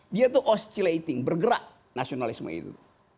dia tuh oscilating bergerak nasionalisme itu